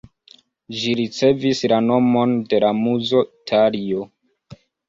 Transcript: Ĝi ricevis la nomon de la muzo Talio.